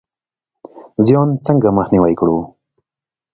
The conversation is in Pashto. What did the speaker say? زیان څنګه مخنیوی کړو؟